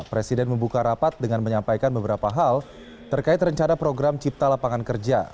presiden membuka rapat dengan menyampaikan beberapa hal terkait rencana program cipta lapangan kerja